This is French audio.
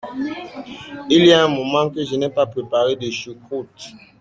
Il y a un moment que je n'ai pas préparé de choucroute.